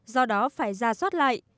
do đó phải ra soát lại